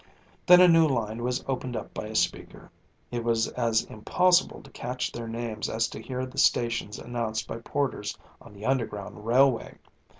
Then a new line was opened up by a speaker it was as impossible to catch their names as to hear the stations announced by porters on the Underground Railway.